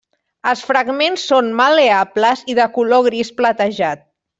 Els fragments són mal·leables i de color gris platejat.